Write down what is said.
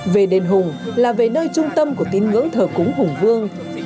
về đền hùng là về nơi trung tâm của tín ngưỡng thờ cúng hùng vương